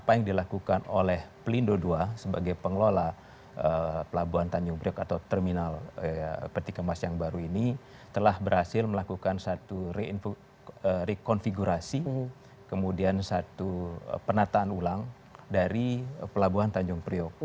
apa yang dilakukan oleh pelindo ii sebagai pengelola pelabuhan tanjung priok atau terminal peti kemas yang baru ini telah berhasil melakukan satu rekonfigurasi kemudian satu penataan ulang dari pelabuhan tanjung priok